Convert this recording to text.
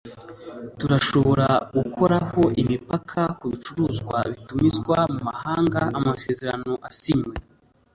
turashobora gukuraho imipaka ku bicuruzwa bitumizwa mu mahanga amasezerano asinywe